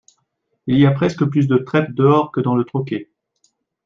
il y a presque plus de trèpe dehors que dans le troquet.